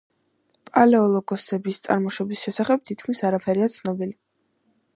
პალეოლოგოსების წარმოშობის შესახებ თითქმის არაფერია ცნობილი.